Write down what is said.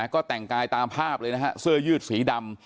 ก็แต่งกายตามภาพเลยนะฮะเสื้อยืดสีดำ